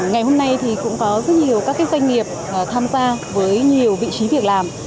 ngày hôm nay thì cũng có rất nhiều các doanh nghiệp tham gia với nhiều vị trí việc làm